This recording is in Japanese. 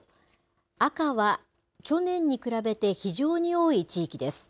赤は去年に比べて非常に多い地域です。